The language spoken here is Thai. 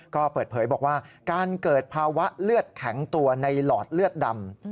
ก็เปิดเผยบอกว่าการเกิดภาวะเลือดแข็งตัวในหลอดเลือดดำ